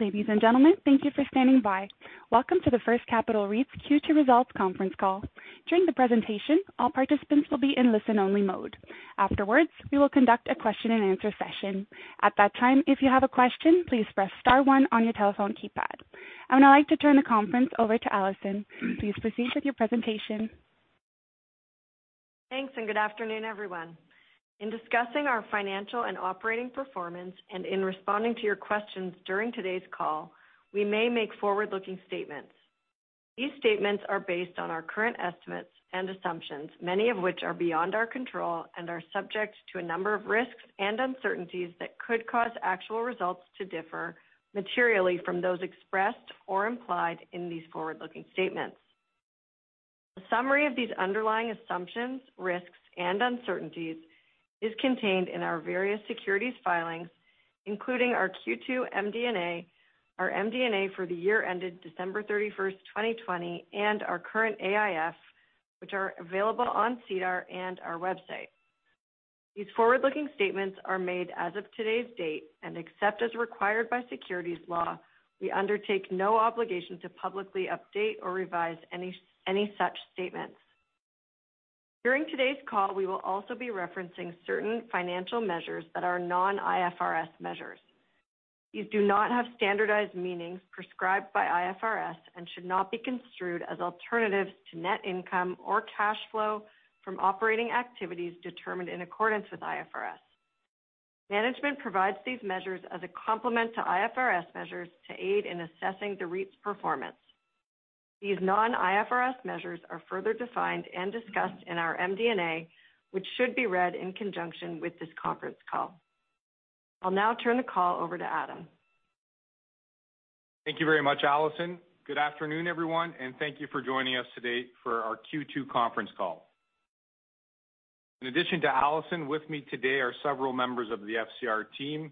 Ladies and gentlemen, thank you for standing by. Welcome to the First Capital REIT's Q2 Results Conference Call. During the presentation, all participants will be in listen-only mode. Afterwards, we will conduct a question and answer session. At that time, if you have a question, please press star one on your telephone keypad. I would now like to turn the conference over to Alison. Please proceed with your presentation. Thanks, good afternoon, everyone. In discussing our financial and operating performance and in responding to your questions during today's call, we may make forward-looking statements. These statements are based on our current estimates and assumptions, many of which are beyond our control, and are subject to a number of risks and uncertainties that could cause actual results to differ materially from those expressed or implied in these forward-looking statements. A summary of these underlying assumptions, risks, and uncertainties is contained in our various securities filings, including our Q2 MD&A, our MD&A for the year ended December 31st, 2020, and our current AIF, which are available on SEDAR and our website. These forward-looking statements are made as of today's date, and except as required by securities law, we undertake no obligation to publicly update or revise any such statements. During today's call, we will also be referencing certain financial measures that are non-IFRS measures. These do not have standardized meanings prescribed by IFRS and should not be construed as alternatives to net income or cash flow from operating activities determined in accordance with IFRS. Management provides these measures as a complement to IFRS measures to aid in assessing the REIT's performance. These non-IFRS measures are further defined and discussed in our MD&A, which should be read in conjunction with this conference call. I'll now turn the call over to Adam. Thank you very much, Alison. Good afternoon, everyone, and thank you for joining us today for our Q2 conference call. In addition to Alison, with me today are several members of the FCR team,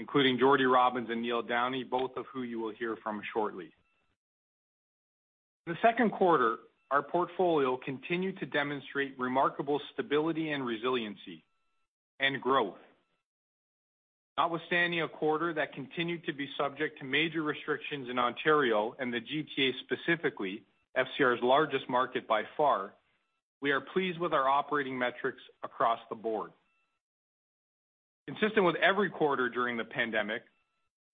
including Jordie Robins and Neil Downey, both of who you will hear from shortly. In the second quarter, our portfolio continued to demonstrate remarkable stability and resiliency and growth. Notwithstanding a quarter that continued to be subject to major restrictions in Ontario and the GTA specifically, FCR's largest market by far, we are pleased with our operating metrics across the board. Consistent with every quarter during the pandemic,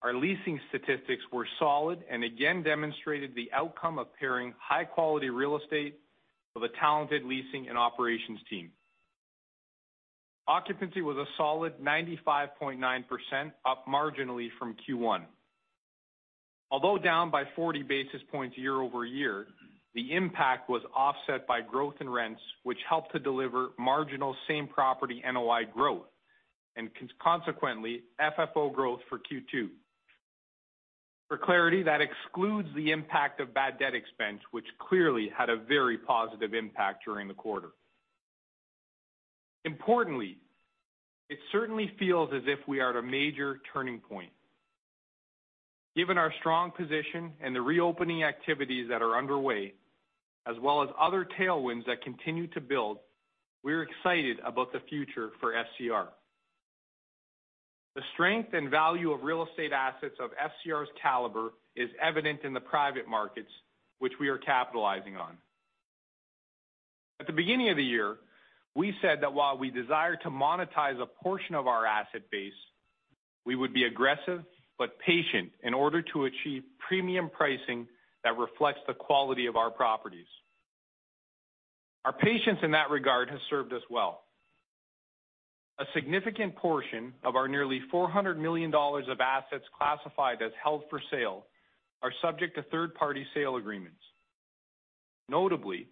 our leasing statistics were solid and again demonstrated the outcome of pairing high-quality real estate with a talented leasing and operations team. Occupancy was a solid 95.9%, up marginally from Q1. Although down by 40 basis points year-over-year, the impact was offset by growth in rents, which helped to deliver marginal same property NOI growth and consequently FFO growth for Q2. For clarity, that excludes the impact of bad debt expense, which clearly had a very positive impact during the quarter. Importantly, it certainly feels as if we are at a major turning point. Given our strong position and the reopening activities that are underway, as well as other tailwinds that continue to build, we're excited about the future for FCR. The strength and value of real estate assets of FCR's caliber is evident in the private markets, which we are capitalizing on. At the beginning of the year, we said that while we desire to monetize a portion of our asset base, we would be aggressive but patient in order to achieve premium pricing that reflects the quality of our properties. Our patience in that regard has served us well. A significant portion of our nearly 400 million dollars of assets classified as held for sale are subject to third-party sale agreements. Notably,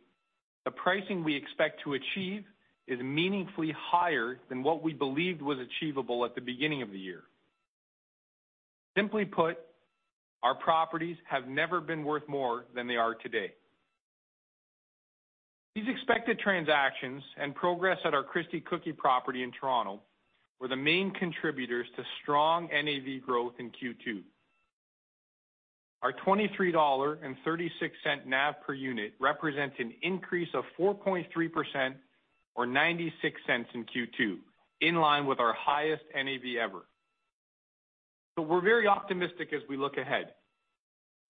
the pricing we expect to achieve is meaningfully higher than what we believed was achievable at the beginning of the year. Simply put, our properties have never been worth more than they are today. These expected transactions and progress at our Christie Cookie property in Toronto were the main contributors to strong NAV growth in Q2. Our 23.36 dollar NAV per unit represents an increase of 4.3% or 0.96 in Q2, in line with our highest NAV ever. We're very optimistic as we look ahead.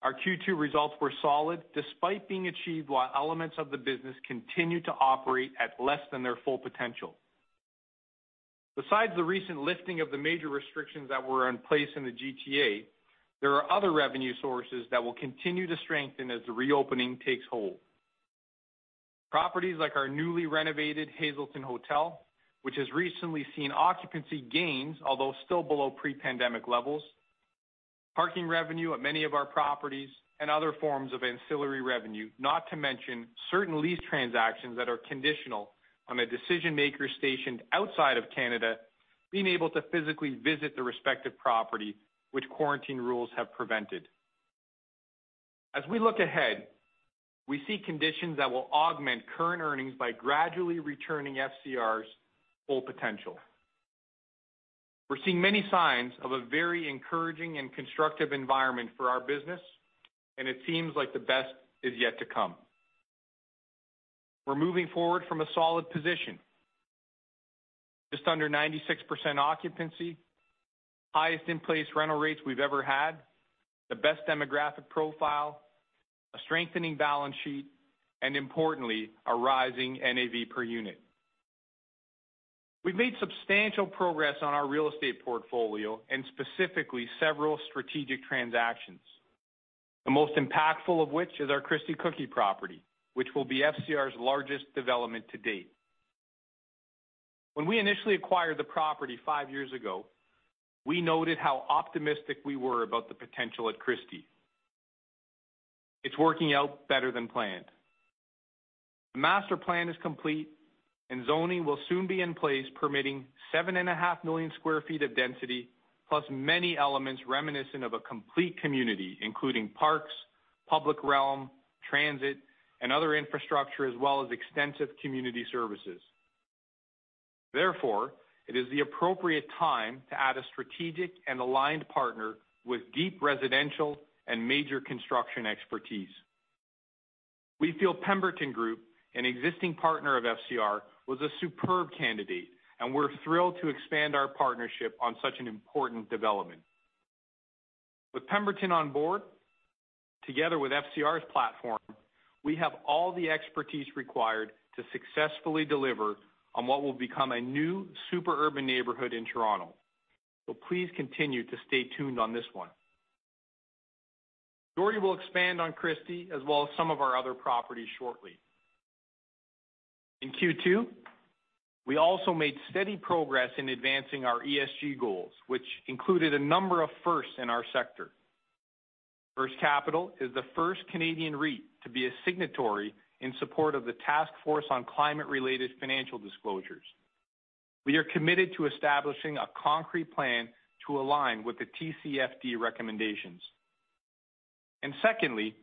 Our Q2 results were solid despite being achieved while elements of the business continued to operate at less than their full potential. Besides the recent lifting of the major restrictions that were in place in the GTA, there are other revenue sources that will continue to strengthen as the reopening takes hold. Properties like our newly renovated Hazelton Hotel, which has recently seen occupancy gains, although still below pre-pandemic levels, parking revenue at many of our properties, and other forms of ancillary revenue, not to mention certain lease transactions that are conditional on a decision-maker stationed outside of Canada being able to physically visit the respective property, which quarantine rules have prevented. As we look ahead, we see conditions that will augment current earnings by gradually returning FCR's full potential. We're seeing many signs of a very encouraging and constructive environment for our business, and it seems like the best is yet to come. We're moving forward from a solid position. Just under 96% occupancy, highest in-place rental rates we've ever had, the best demographic profile, a strengthening balance sheet, and importantly, a rising NAV per unit. We've made substantial progress on our real estate portfolio and specifically several strategic transactions. The most impactful of which is our Christie Cookie property, which will be FCR's largest development to date. When we initially acquired the property five years ago, we noted how optimistic we were about the potential at Christie. It's working out better than planned. The master plan is complete, and zoning will soon be in place, permitting 7.5 million sq ft of density, plus many elements reminiscent of a complete community, including parks, public realm, transit, and other infrastructure, as well as extensive community services. Therefore, it is the appropriate time to add a strategic and aligned partner with deep residential and major construction expertise. We feel Pemberton Group, an existing partner of FCR, was a superb candidate, and we're thrilled to expand our partnership on such an important development. With Pemberton on board, together with FCR's platform, we have all the expertise required to successfully deliver on what will become a new super urban neighborhood in Toronto. Please continue to stay tuned on this one. Jordie will expand on Christie Cookie as well as some of our other properties shortly. In Q2, we also made steady progress in advancing our ESG goals, which included a number of firsts in our sector. First Capital is the first Canadian REIT to be a signatory in support of the Task Force on Climate-related Financial Disclosures. We are committed to establishing a concrete plan to align with the TCFD recommendations. Secondly,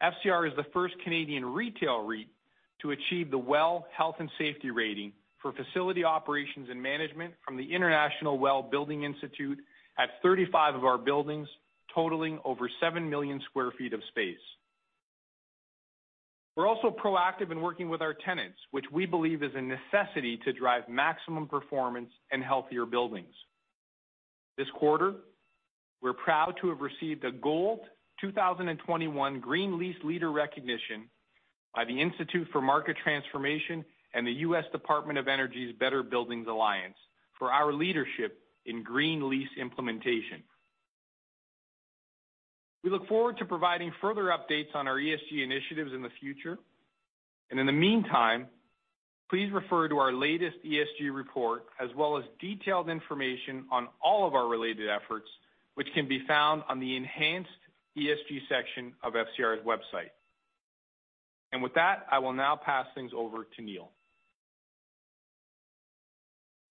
FCR is the first Canadian retail REIT to achieve the WELL Health-Safety Rating for facility operations and management from the International WELL Building Institute at 35 of our buildings, totaling over 7 million sq ft of space. We are also proactive in working with our tenants, which we believe is a necessity to drive maximum performance and healthier buildings. This quarter, we're proud to have received a Gold 2021 Green Lease Leader recognition by the Institute for Market Transformation and the U.S. Department of Energy's Better Buildings Alliance for our leadership in green lease implementation. We look forward to providing further updates on our ESG initiatives in the future. In the meantime, please refer to our latest ESG report as well as detailed information on all of our related efforts, which can be found on the enhanced ESG section of FCR's website. With that, I will now pass things over to Neil.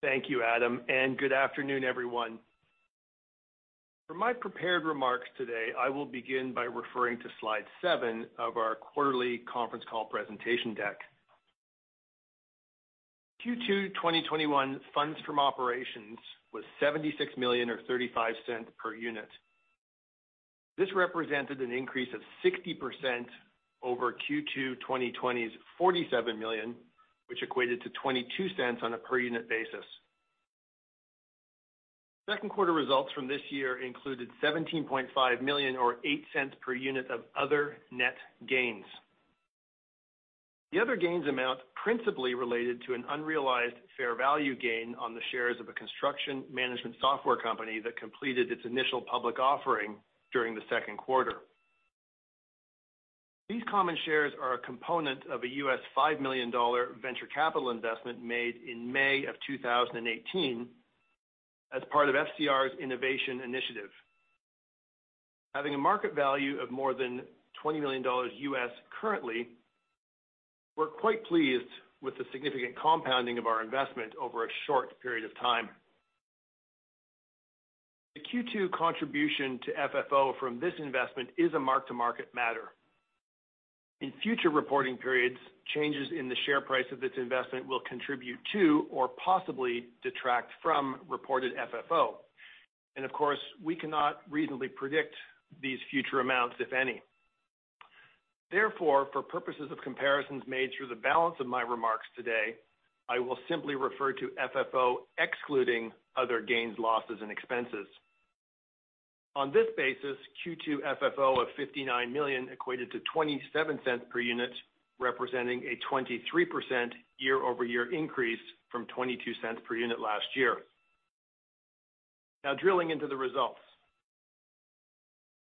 Thank you, Adam, good afternoon, everyone. For my prepared remarks today, I will begin by referring to slide seven of our quarterly conference call presentation deck. Q2 2021 FFO was 76 million, or 0.35 per unit. This represented an increase of 60% over Q2 2020's 47 million, which equated to 0.22 on a per unit basis. Second quarter results from this year included 17.5 million or 0.08 per unit of other net gains. The other gains amount principally related to an unrealized fair value gain on the shares of a construction management software company that completed its IPO during the second quarter. These common shares are a component of a US $5 million venture capital investment made in May of 2018 as part of FCR's innovation initiative. Having a market value of more than $20 million U.S. currently, we're quite pleased with the significant compounding of our investment over a short period of time. The Q2 contribution to FFO from this investment is a mark-to-market matter. In future reporting periods, changes in the share price of this investment will contribute to or possibly detract from reported FFO. Of course, we cannot reasonably predict these future amounts, if any. Therefore, for purposes of comparisons made through the balance of my remarks today, I will simply refer to FFO excluding other gains, losses, and expenses. On this basis, Q2 FFO of 59 million equated to 0.27 per unit, representing a 23% year-over-year increase from 0.22 per unit last year. Now drilling into the results.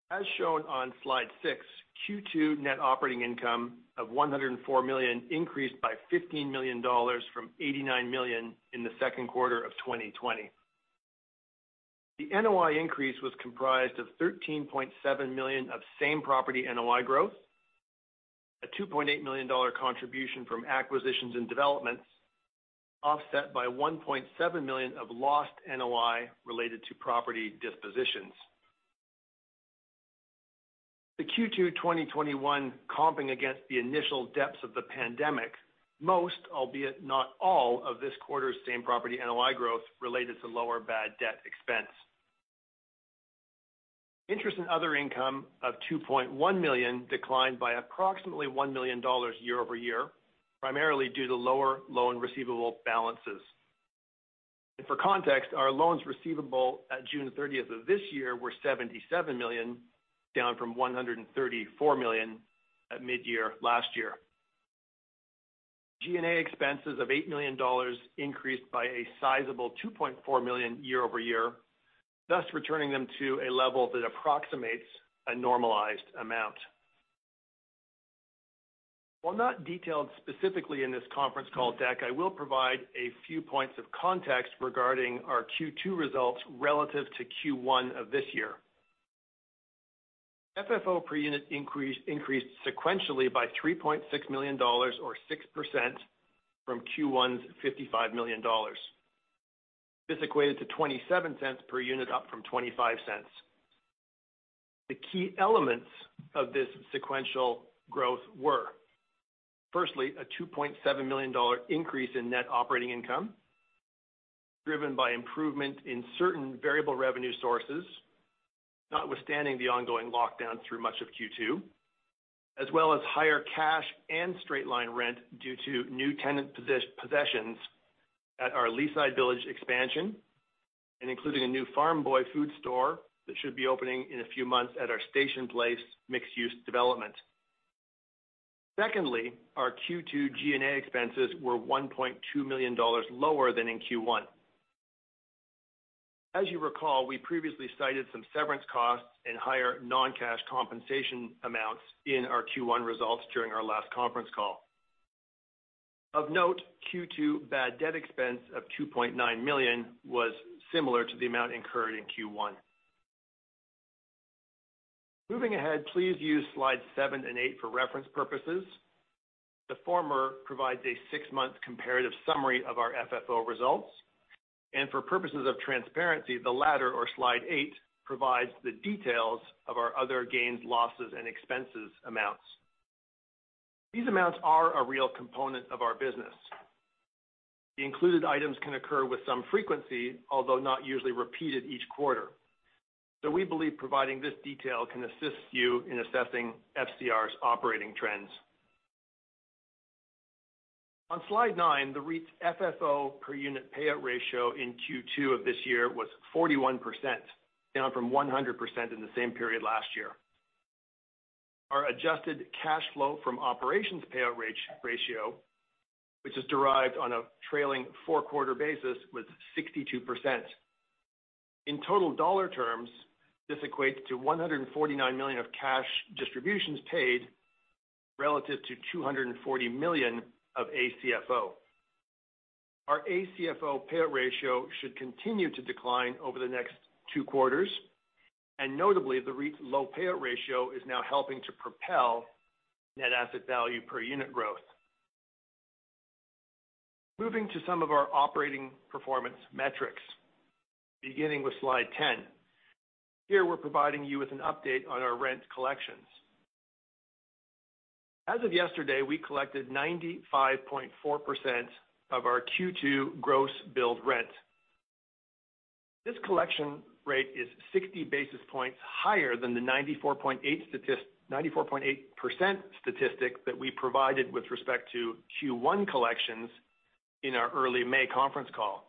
As shown on slide six, Q2 net operating income of 104 million increased by 15 million dollars from 89 million in the second quarter of 2020. The NOI increase was comprised of 13.7 million of same property NOI growth, a 2.8 million dollar contribution from acquisitions and developments, offset by 1.7 million of lost NOI related to property dispositions. The Q2 2021 comping against the initial depths of the pandemic, most, albeit not all, of this quarter's same property NOI growth related to lower bad debt expense. Interest and other income of 2.1 million declined by approximately 1 million dollars year-over-year, primarily due to lower loan receivable balances. For context, our loans receivable at June 30th of this year were 77 million, down from 134 million at mid-year last year. G&A expenses of 8 million dollars increased by a sizable 2.4 million year-over-year, thus returning them to a level that approximates a normalized amount. While not detailed specifically in this conference call deck, I will provide a few points of context regarding our Q2 results relative to Q1 of this year. FFO per unit increased sequentially by 3.6 million dollars or 6% from Q1's 55 million dollars. This equated to 0.27 per unit, up from 0.25. The key elements of this sequential growth were, firstly, a 2.7 million dollar increase in net operating income, driven by improvement in certain variable revenue sources, notwithstanding the ongoing lockdown through much of Q2, as well as higher cash and straight-line rent due to new tenant possessions at our Leaside Village expansion, and including a new Farm Boy food store that should be opening in a few months at our Station Place mixed-use development. Secondly, our Q2 G&A expenses were 1.2 million dollars lower than in Q1. As you recall, we previously cited some severance costs and higher non-cash compensation amounts in our Q1 results during our last conference call. Of note, Q2 bad debt expense of 2.9 million was similar to the amount incurred in Q1. Moving ahead, please use slides seven and eight for reference purposes. The former provides a six-month comparative summary of our FFO results. For purposes of transparency, the latter or slide eight provides the details of our other gains, losses, and expenses amounts. These amounts are a real component of our business. The included items can occur with some frequency, although not usually repeated each quarter. We believe providing this detail can assist you in assessing FCR's operating trends. On slide nine, the REIT's FFO per unit payout ratio in Q2 of this year was 41%, down from 100% in the same period last year. Our adjusted cash flow from operations payout ratio, which is derived on a trailing four-quarter basis, was 62%. In total dollar terms, this equates to 149 million of cash distributions paid relative to 240 million of ACFO. Our ACFO payout ratio should continue to decline over the next two quarters, and notably, the REIT's low payout ratio is now helping to propel net asset value per unit growth. Moving to some of our operating performance metrics, beginning with slide 10. Here we're providing you with an update on our rent collections. As of yesterday, we collected 95.4% of our Q2 gross billed rent. This collection rate is 60 basis points higher than the 94.8% statistic that we provided with respect to Q1 collections in our early May conference call.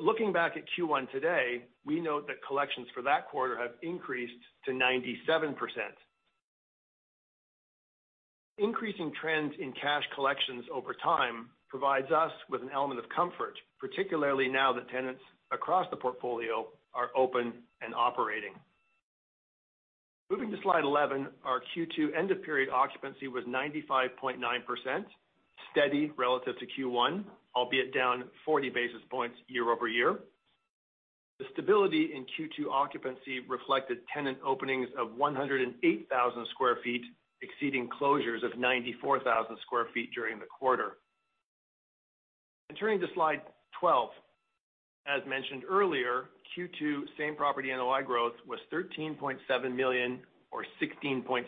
Looking back at Q1 today, we note that collections for that quarter have increased to 97%. Increasing trends in cash collections over time provides us with an element of comfort, particularly now that tenants across the portfolio are open and operating. Moving to slide 11, our Q2 end-of-period occupancy was 95.9%, steady relative to Q1, albeit down 40 basis points year-over-year. The stability in Q2 occupancy reflected tenant openings of 108,000 sq ft, exceeding closures of 94,000 sq ft during the quarter. Turning to slide 12. As mentioned earlier, Q2 same-property NOI growth was 13.7 million or 16.6%.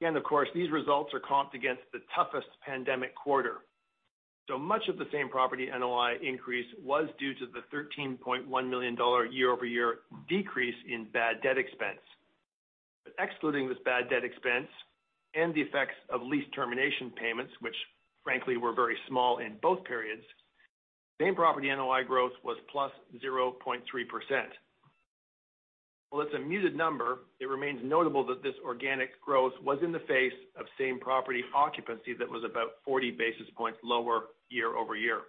Again, of course, these results are comped against the toughest pandemic quarter. Much of the same-property NOI increase was due to the 13.1 million dollar year-over-year decrease in bad debt expense. Excluding this bad debt expense and the effects of lease termination payments, which frankly were very small in both periods, same-property NOI growth was +0.3%. While it's a muted number, it remains notable that this organic growth was in the face of same-property occupancy that was about 40 basis points lower year-over-year.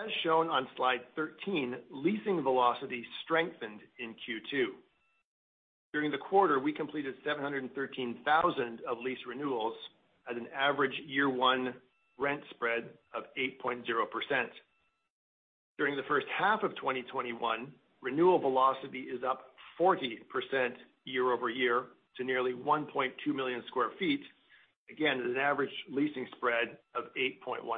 As shown on slide 13, leasing velocity strengthened in Q2. During the quarter, we completed 713,000 of lease renewals at an average year one rent spread of 8.0%. During the first half of 2021, renewal velocity is up 40% year-over-year to nearly 1.2 million sq ft. At an average leasing spread of 8.1%.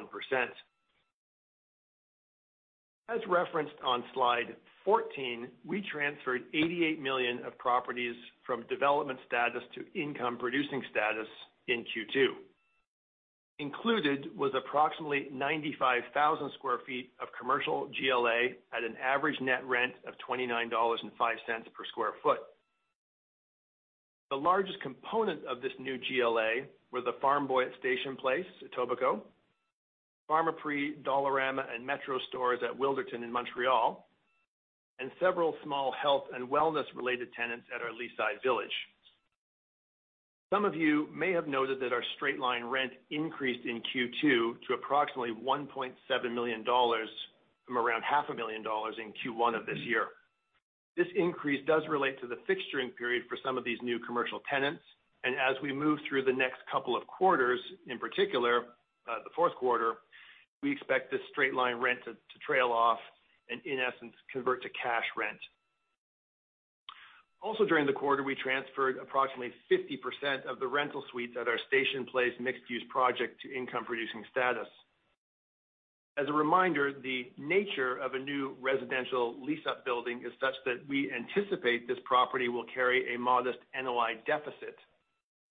As referenced on slide 14, we transferred 88 million of properties from development status to income-producing status in Q2. Included was approximately 95,000 sq ft of commercial GLA at an average net rent of 29.05 dollars per sq ft. The largest component of this new GLA were the Farm Boy at Station Place, Etobicoke, Pharmaprix, Dollarama, and Metro stores at Wilderton in Montreal, and several small health and wellness-related tenants at our Leaside Village. Some of you may have noted that our straight-line rent increased in Q2 to approximately 1.7 million dollars from around 0.5 million dollars in Q1 of this year. This increase does relate to the fixturing period for some of these new commercial tenants, and as we move through the next couple of quarters, in particular, the fourth quarter, we expect this straight-line rent to trail off and, in essence, convert to cash rent. Also, during the quarter, we transferred approximately 50% of the rental suites at our Station Place mixed-use project to income-producing status. As a reminder, the nature of a new residential lease-up building is such that we anticipate this property will carry a modest NOI deficit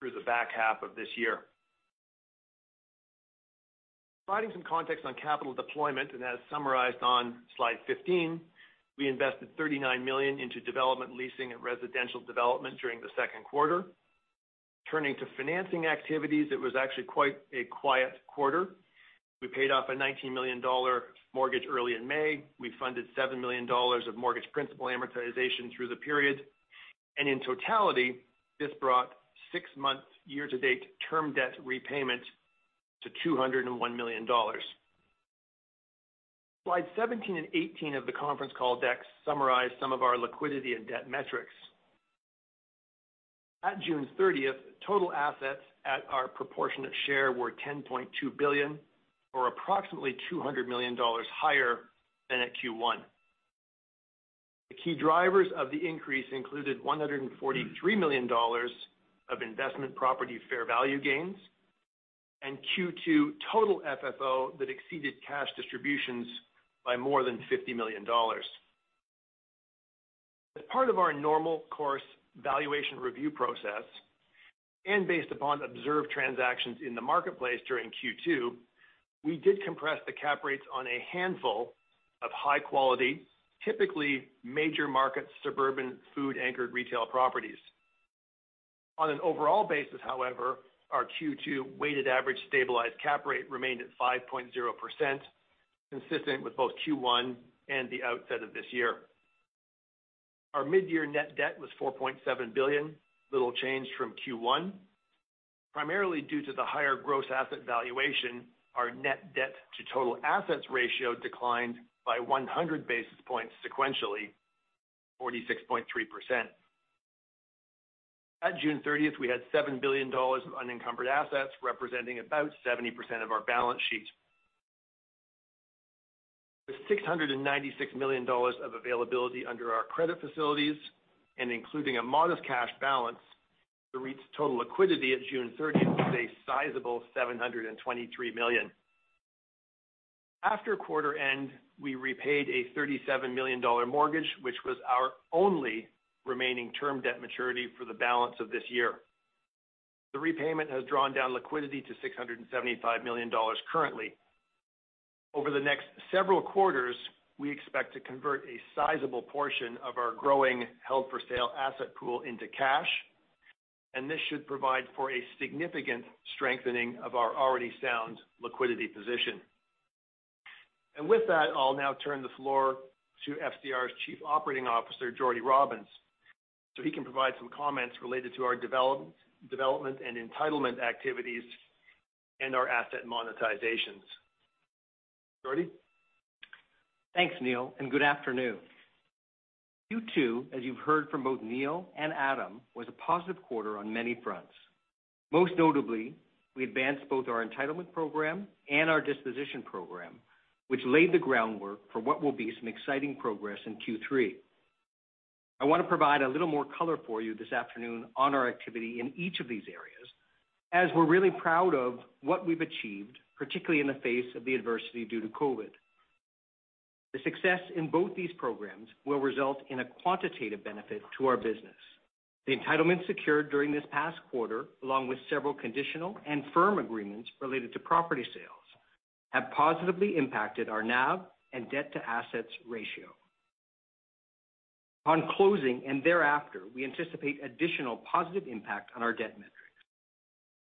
through the back half of this year. Providing some context on capital deployment, as summarized on slide 15, we invested 39 million into development, leasing, and residential development during the second quarter. Turning to financing activities, it was actually quite a quiet quarter. We paid off a 19 million dollar mortgage early in May. We funded 7 million dollars of mortgage principal amortization through the period. In totality, this brought six-month year-to-date term debt repayment to 201 million dollars. Slides 17 and 18 of the conference call deck summarize some of our liquidity and debt metrics. At June 30th, total assets at our proportionate share were 10.2 billion, or approximately 200 million dollars higher than at Q1. The key drivers of the increase included 143 million dollars of investment property fair value gains and Q2 total FFO that exceeded cash distributions by more than 50 million dollars. As part of our normal course valuation review process, and based upon observed transactions in the marketplace during Q2, we did compress the cap rates on a handful of high-quality, typically major market, suburban food-anchored retail properties. On an overall basis, however, our Q2 weighted average stabilized cap rate remained at 5.0%, consistent with both Q1 and the outset of this year. Our mid-year net debt was 4.7 billion, little change from Q1. Primarily due to the higher gross asset valuation, our net debt to total assets ratio declined by 100 basis points sequentially, 46.3%. At June 30th, we had 7 billion dollars of unencumbered assets, representing about 70% of our balance sheet. With 696 million dollars of availability under our credit facilities and including a modest cash balance, the REIT's total liquidity at June 30th was a sizable 723 million. After quarter end, we repaid a 37 million dollar mortgage, which was our only remaining term debt maturity for the balance of this year. The repayment has drawn down liquidity to 675 million dollars currently. Over the next several quarters, we expect to convert a sizable portion of our growing held-for-sale asset pool into cash, and this should provide for a significant strengthening of our already sound liquidity position. With that, I'll now turn the floor to FCR's Chief Operating Officer, Jordie Robins, so he can provide some comments related to our development and entitlement activities and our asset monetizations. Jordie? Thanks, Neil, and good afternoon. Q2, as you've heard from both Neil and Adam, was a positive quarter on many fronts. Most notably, we advanced both our entitlement program and our disposition program, which laid the groundwork for what will be some exciting progress in Q3. I want to provide a little more color for you this afternoon on our activity in each of these areas, as we're really proud of what we've achieved, particularly in the face of the adversity due to COVID. The success in both these programs will result in a quantitative benefit to our business. The entitlements secured during this past quarter, along with several conditional and firm agreements related to property sales, have positively impacted our NAV and debt-to-assets ratio. On closing and thereafter, we anticipate additional positive impact on our debt metrics.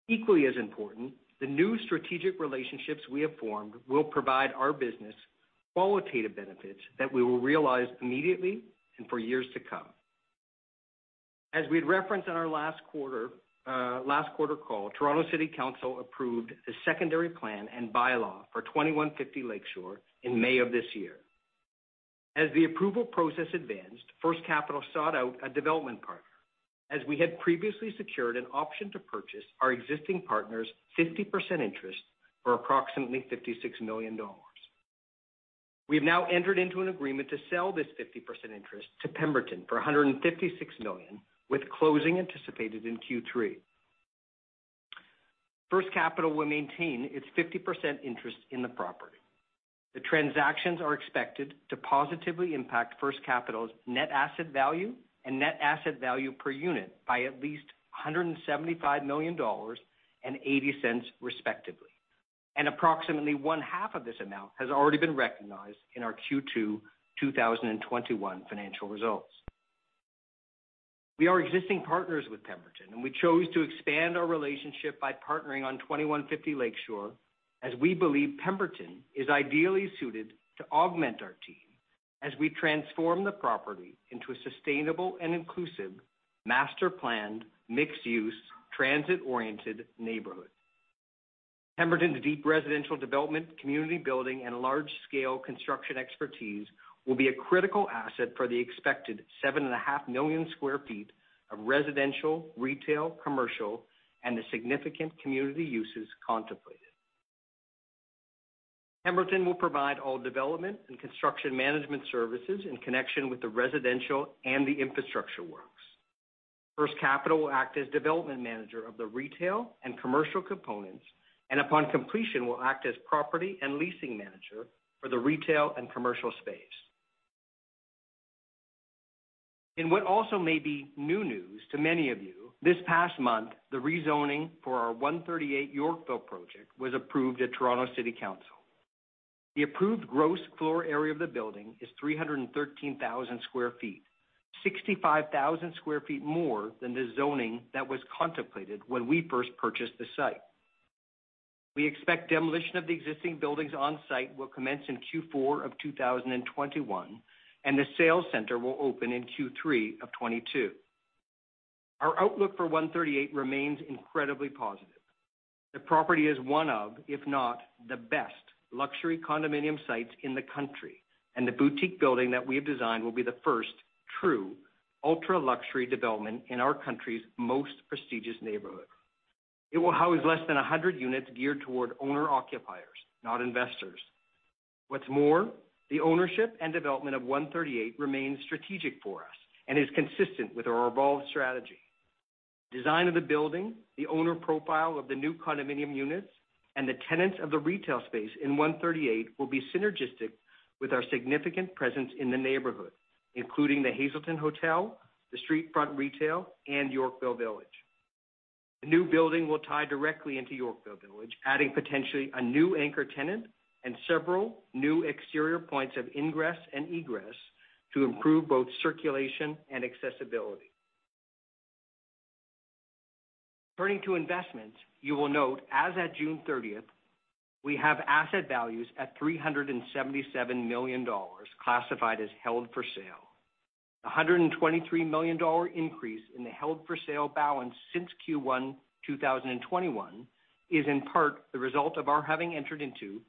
Equally as important, the new strategic relationships we have formed will provide our business qualitative benefits that we will realize immediately and for years to come. As we had referenced on our last quarter call, Toronto City Council approved the secondary plan and bylaw for 2150 Lake Shore in May of this year. As the approval process advanced, First Capital sought out a development partner, as we had previously secured an option to purchase our existing partner's 50% interest for approximately 56 million dollars. We have now entered into an agreement to sell this 50% interest to Pemberton for 156 million, with closing anticipated in Q3. First Capital will maintain its 50% interest in the property. The transactions are expected to positively impact First Capital's net asset value and net asset value per unit by at least 175 million dollars and 0.80 respectively. Approximately one-half of this amount has already been recognized in our Q2 2021 financial results. We are existing partners with Pemberton, we chose to expand our relationship by partnering on 2150 Lake Shore, as we believe Pemberton is ideally suited to augment our team as we transform the property into a sustainable and inclusive master planned, mixed-use, transit-oriented neighborhood. Pemberton's deep residential development, community building, and large-scale construction expertise will be a critical asset for the expected 7.5 million sq ft of residential, retail, commercial, and the significant community uses contemplated. Pemberton will provide all development and construction management services in connection with the residential and the infrastructure works. First Capital will act as development manager of the retail and commercial components, upon completion, will act as property and leasing manager for the retail and commercial space. In what also may be new news to many of you, this past month, the rezoning for our 138 Yorkville project was approved at Toronto City Council. The approved gross floor area of the building is 313,000 sq ft, 65,000 sq ft more than the zoning that was contemplated when we first purchased the site. We expect demolition of the existing buildings on site will commence in Q4 of 2021, and the sales center will open in Q3 of 2022. Our outlook for 138 remains incredibly positive. The property is one of, if not the best luxury condominium sites in the country, and the boutique building that we have designed will be the first true ultra-luxury development in our country's most prestigious neighborhood. It will house less than 100 units geared toward owner/occupiers, not investors. The ownership and development of 138 remains strategic for us and is consistent with our evolved strategy. Design of the building, the owner profile of the new condominium units, and the tenants of the retail space in 138 will be synergistic with our significant presence in the neighborhood, including the Hazelton Hotel, the Street Front Retail, and Yorkville Village. The new building will tie directly into Yorkville Village, adding potentially a new anchor tenant and several new exterior points of ingress and egress to improve both circulation and accessibility. Turning to investments, you will note, as at June 30th, we have asset values at 377 million dollars classified as held for sale. 123 million dollar increase in the held for sale balance since Q1 2021 is in part the result of our having entered into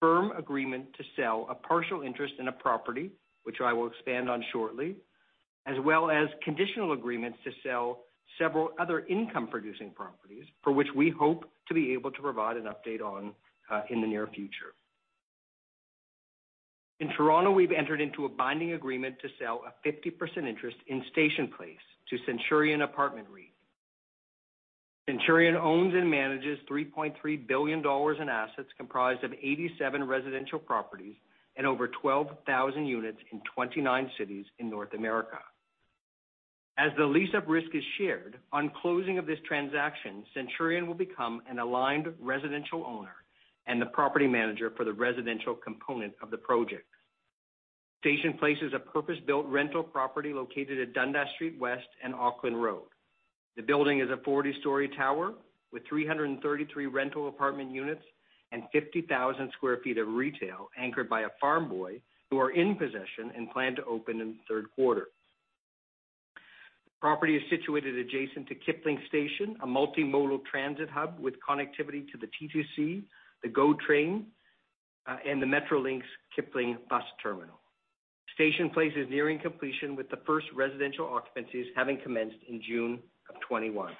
firm agreement to sell a partial interest in one property, which I will expand on shortly, as well as conditional agreements to sell several other income-producing properties, for which we hope to be able to provide an update on in the near future. In Toronto, we've entered into a binding agreement to sell a 50% interest in Station Place to Centurion Apartment REIT. Centurion owns and manages 3.3 billion dollars in assets comprised of 87 residential properties and over 12,000 units in 29 cities in North America. As the lease-up risk is shared, on closing of this transaction, Centurion will become an aligned residential owner and the property manager for the residential component of the project. Station Place is a purpose-built rental property located at Dundas Street West and Auckland Road. The building is a 40-story tower with 333 rental apartment units and 50,000 sq ft of retail anchored by a Farm Boy who are in possession and plan to open in the third quarter. The property is situated adjacent to Kipling Station, a multimodal transit hub with connectivity to the TTC, the GO Train, and the Metrolinx Kipling bus terminal. Station Place is nearing completion, with the first residential occupancies having commenced in June of 2021.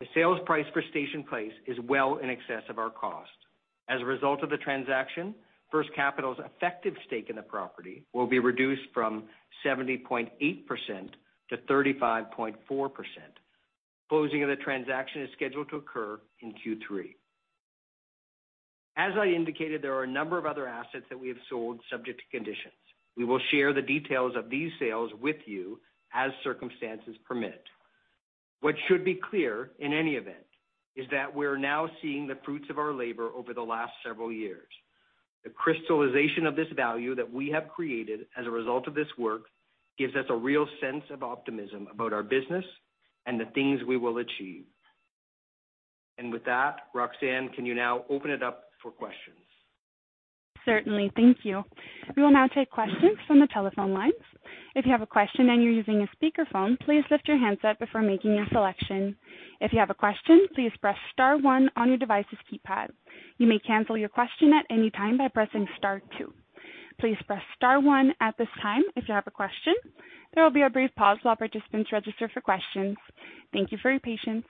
The sales price for Station Place is well in excess of our cost. As a result of the transaction, First Capital's effective stake in the property will be reduced from 70.8%-35.4%. Closing of the transaction is scheduled to occur in Q3. As I indicated, there are a number of other assets that we have sold subject to conditions. We will share the details of these sales with you as circumstances permit. What should be clear in any event is that we're now seeing the fruits of our labor over the last several years. The crystallization of this value that we have created as a result of this work gives us a real sense of optimism about our business and the things we will achieve. With that, Roxanne, can you now open it up for questions? Certainly. Thank you. We will now take questions from the telephone lines. If you have a question and you're using a speakerphone, please lift your handset before making a selection. If you have a question, please press star one on your device's keypad. You may cancel your question at any time by pressing star two. Please press star one at this time if you have a question. There will be a brief pause while participants register for questions. Thank you for your patience.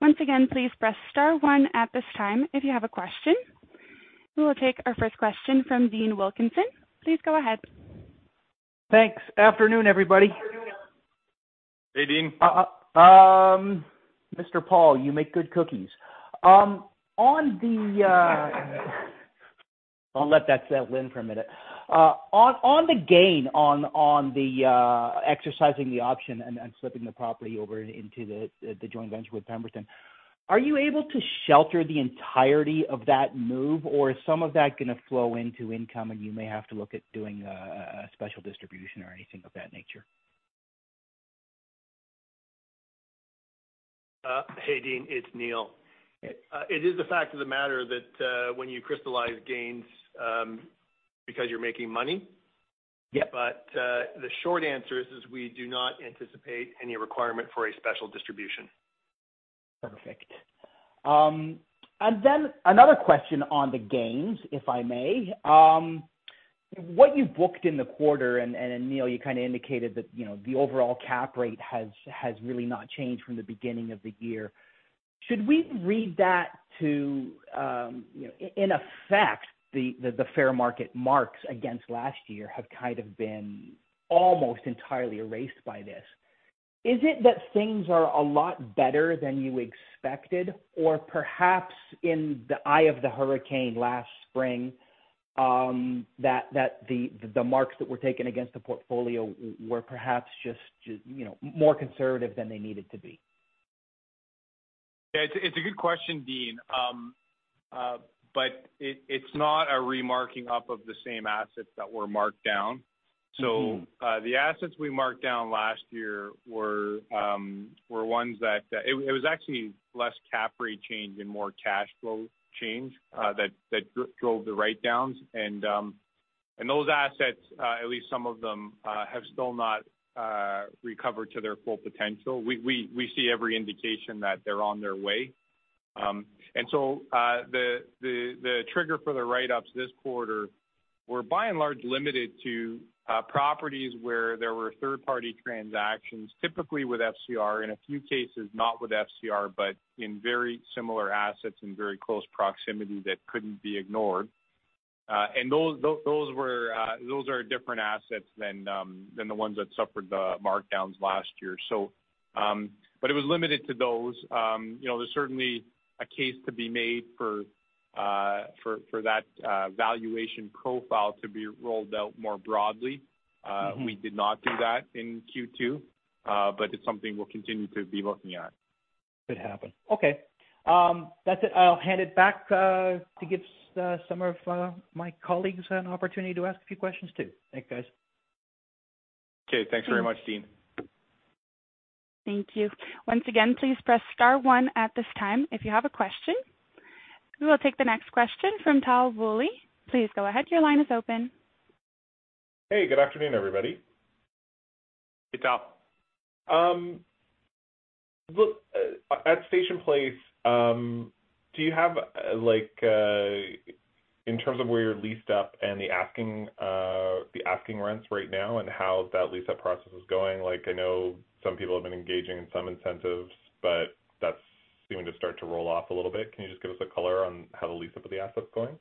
Once again, please press star one at this time if you have a question. We will take our first question from Dean Wilkinson. Please go ahead. Thanks. Afternoon, everybody. Hey, Dean. Mr. Paul, you make good cookies. I'll let that set in for a minute. On the gain on the exercising the option and slipping the property over into the joint venture with Pemberton, are you able to shelter the entirety of that move, or is some of that going to flow into income and you may have to look at doing a special distribution or anything of that nature? Hey, Dean, it's Neil. It is a fact of the matter that when you crystallize gains because you're making money. Yep. The short answer is we do not anticipate any requirement for a special distribution. Perfect. Then another question on the gains, if I may. What you've booked in the quarter, and Neil, you kind of indicated that the overall cap rate has really not changed from the beginning of the year. Should we read that to, in effect, the fair market marks against last year have kind of been almost entirely erased by this? Is it that things are a lot better than you expected or perhaps in the eye of the hurricane last spring, that the marks that were taken against the portfolio were perhaps just more conservative than they needed to be? Yeah, it's a good question, Dean. It's not a remarking up of the same assets that were marked down. The assets we marked down last year were ones that it was actually less cap rate change and more cash flow change that drove the write-downs. Those assets, at least some of them, have still not recovered to their full potential. We see every indication that they're on their way. The trigger for the write-ups this quarter were by and large limited to properties where there were third-party transactions, typically with FCR, in a few cases, not with FCR, but in very similar assets in very close proximity that couldn't be ignored. Those are different assets than the ones that suffered the markdowns last year. It was limited to those. There's certainly a case to be made for that valuation profile to be rolled out more broadly. We did not do that in Q2, but it's something we'll continue to be looking at. Could happen. Okay. That's it. I'll hand it back to give some of my colleagues an opportunity to ask a few questions, too. Thank you, guys. Okay. Thanks very much, Dean. Thank you. Once again, please press star one at this time if you have a question. We will take the next question from Tal Woolley. Please go ahead. Your line is open. Hey, good afternoon, everybody. Hey, Tal. At Station Place, do you have, in terms of where you're leased up and the asking rents right now and how that lease-up process is going, I know some people have been engaging in some incentives, but that's seeming to start to roll off a little bit. Can you just give us a color on how the lease-up of the asset's going?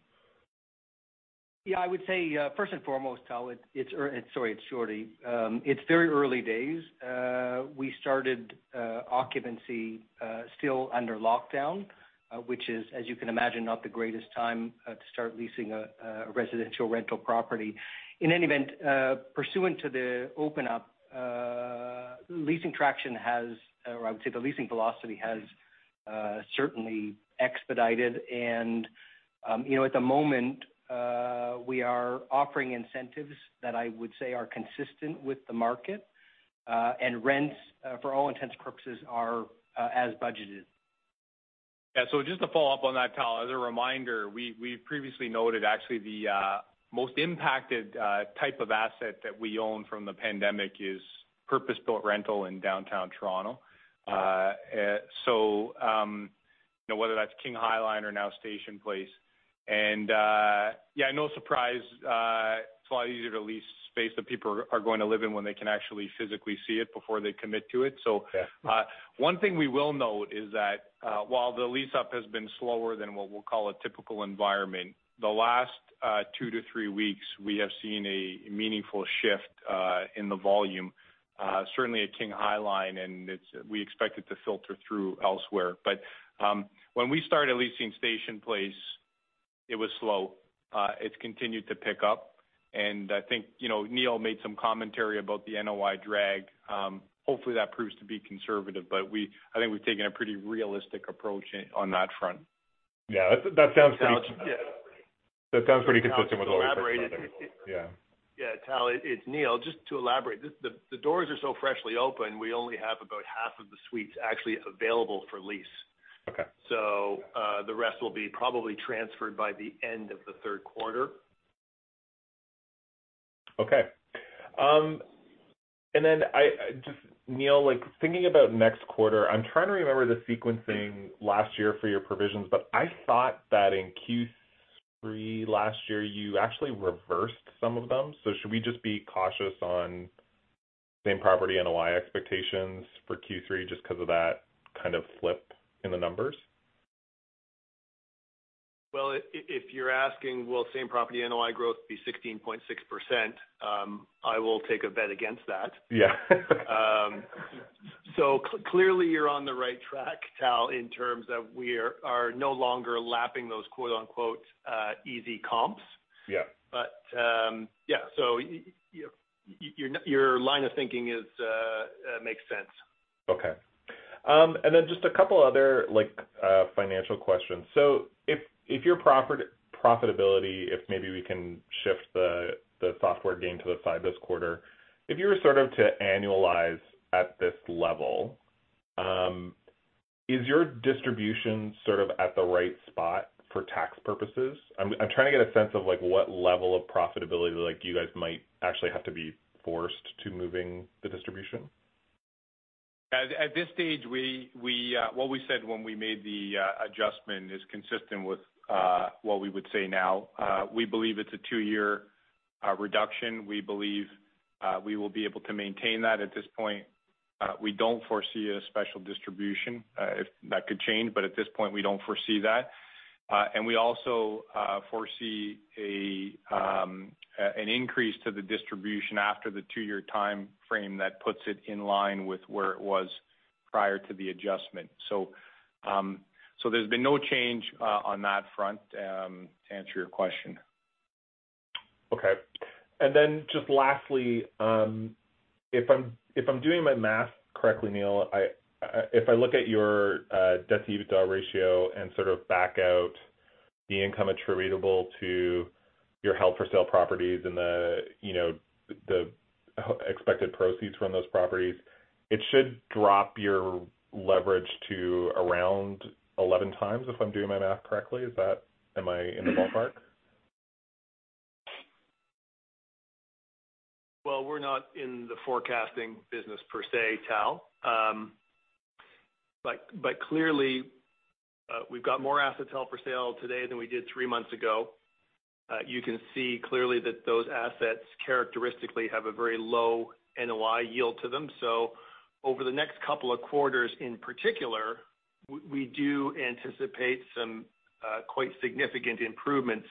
Yeah, I would say, first and foremost, Tal, sorry, it's Jordie. It's very early days. We started occupancy still under lockdown, which is, as you can imagine, not the greatest time to start leasing a residential rental property. In any event, pursuant to the open-up, leasing traction has, or I would say the leasing velocity has certainly expedited. At the moment, we are offering incentives that I would say are consistent with the market, and rents, for all intents and purposes, are as budgeted. Yeah. Just to follow up on that, Tal, as a reminder, we previously noted actually the most impacted type of asset that we own from the pandemic is purpose-built rental in downtown Toronto. Whether that's King High Line or now Station Place. Yeah, no surprise, it's a lot easier to lease space that people are going to live in when they can actually physically see it before they commit to it. Yeah. One thing we will note is that while the lease-up has been slower than what we'll call a typical environment, the last two to three weeks, we have seen a meaningful shift in the volume, certainly at King High Line, and we expect it to filter through elsewhere. When we started leasing Station Place, it was slow. It's continued to pick up. I think Neil made some commentary about the NOI drag. Hopefully, that proves to be conservative, but I think we've taken a pretty realistic approach on that front. Yeah. That sounds pretty consistent with what we were thinking about. Yeah. Yeah, Tal, it's Neil. Just to elaborate, the doors are so freshly open, we only have about half of the suites actually available for lease. Okay. The rest will be probably transferred by the end of the third quarter. Okay. Neil, thinking about next quarter, I am trying to remember the sequencing last year for your provisions, but I thought that in Q3 last year, you actually reversed some of them. Should we just be cautious on same property NOI expectations for Q3 just because of that kind of flip in the numbers? Well, if you're asking will same property NOI growth be 16.6%, I will take a bet against that. Yeah. Clearly you're on the right track, Tal, in terms of we are no longer lapping those quote unquote, easy comps. Yeah. Yeah. Your line of thinking makes sense. Okay. Just a couple other financial questions. If your profitability, if maybe we can shift the software game to the side this quarter, if you were to annualize at this level, is your distribution sort of at the right spot for tax purposes? I'm trying to get a sense of what level of profitability you guys might actually have to be forced to moving the distribution. At this stage, what we said when we made the adjustment is consistent with what we would say now. We believe it's a two-year reduction. We believe we will be able to maintain that at this point. We don't foresee a special distribution. That could change, but at this point, we don't foresee that. We also foresee an increase to the distribution after the two-year timeframe that puts it in line with where it was prior to the adjustment. There's been no change on that front, to answer your question. Okay. Just lastly, if I'm doing my math correctly, Neil, if I look at your debt-to-EBITDA ratio and sort of back out the income attributable to your held-for-sale properties and the expected proceeds from those properties, it should drop your leverage to around 11 times if I'm doing my math correctly. Am I in the ballpark? We're not in the forecasting business per se, Tal. Clearly, we've got more assets held for sale today than we did three months ago. You can see clearly that those assets characteristically have a very low NOI yield to them. Over the next couple of quarters, in particular, we do anticipate some quite significant improvements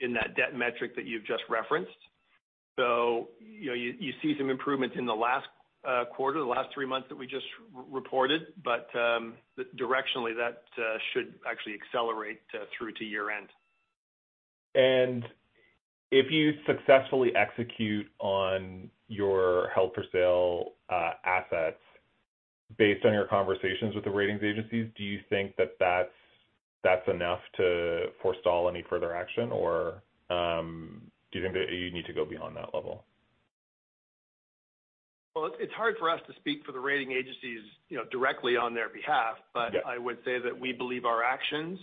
in that debt metric that you've just referenced. You see some improvements in the last quarter, the last three months that we just reported. Directionally, that should actually accelerate through to year-end. If you successfully execute on your held-for-sale assets, based on your conversations with the ratings agencies, do you think that's enough to forestall any further action, or do you think that you need to go beyond that level? Well, it's hard for us to speak for the rating agencies directly on their behalf. Yeah. I would say that we believe our actions,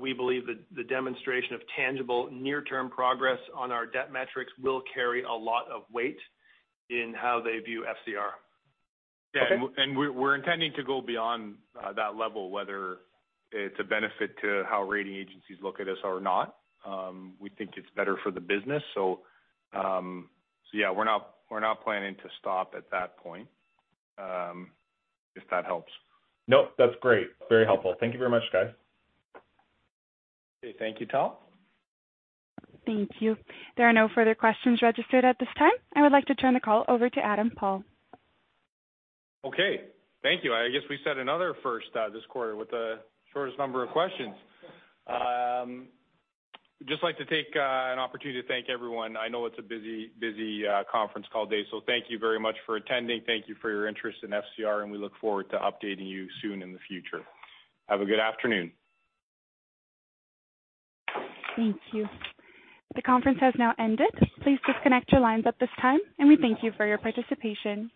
we believe the demonstration of tangible near-term progress on our debt metrics will carry a lot of weight in how they view FCR. Okay. We're intending to go beyond that level, whether it's a benefit to how rating agencies look at us or not. We think it's better for the business. Yeah, we're not planning to stop at that point. If that helps. Nope, that's great. Very helpful. Thank you very much, guys. Okay. Thank you, Tal. Thank you. There are no further questions registered at this time. I would like to turn the call over to Adam Paul. Okay. Thank you. I guess we set another first this quarter with the shortest number of questions. Just like to take an opportunity to thank everyone. I know it's a busy conference call day. Thank you very much for attending. Thank you for your interest in FCR, and we look forward to updating you soon in the future. Have a good afternoon. Thank you. The conference has now ended. Please disconnect your lines at this time, and we thank you for your participation.